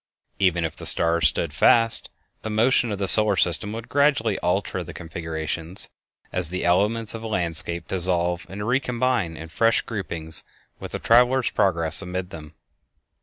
Even if the stars stood fast, the motion of the solar system would gradually alter the configurations, as the elements of a landscape dissolve and recombine in fresh groupings with the traveler's progress amid them.